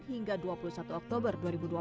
hingga dua puluh satu oktober dua ribu dua puluh